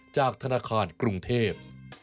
จากธนาคารกรุงเทพ